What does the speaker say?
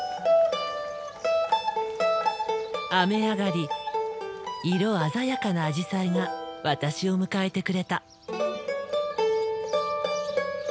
雨上がり色鮮やかなアジサイが私を迎えてくれた。